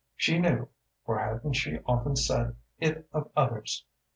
She knew (for hadn't she often said it of others?)